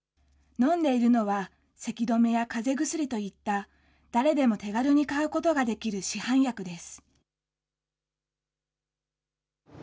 飲んでいるのは、せき止めやかぜ薬といった誰でも手軽に買うことができる市販薬です。